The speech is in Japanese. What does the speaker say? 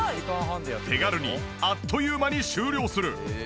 手軽にあっという間に終了する。